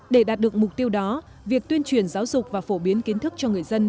để đạt được mục tiêu đó việc tuyên truyền giáo dục và phổ biến kiến thức cho người dân